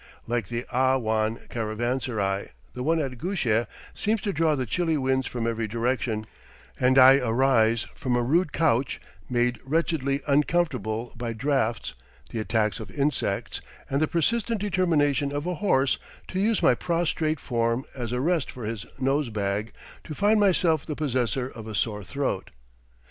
Like the Ah wan caravansarai, the one at Gusheh seems to draw the chilly winds from every direction, and I arise from a rude couch, made wretchedly uncomfortable by draughts, the attacks of insects, and the persistent determination of a horse to use my prostrate form as a rest for his nose bag, to find myself the possessor of a sore throat.